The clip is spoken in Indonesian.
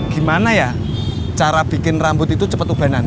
gimana ya cara bikin rambut itu cepat ubanan